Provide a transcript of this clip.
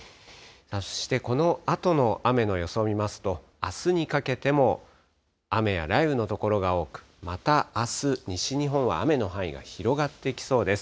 そしてこのあとの雨の予想を見ますと、あすにかけても、雨や雷雨の所が多く、またあす、西日本は雨の範囲が広がってきそうです。